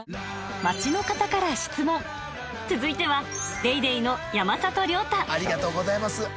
街の方から質問続いては『ＤａｙＤａｙ．』の山里亮太ありがとうございます。